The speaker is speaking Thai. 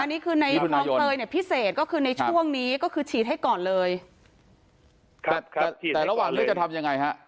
แต่ระหว่างนี้จะทำยังไงฮะ